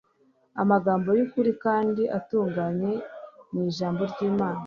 amagambo y'ukuri kandi atunganye yo mu ijambo ry'imana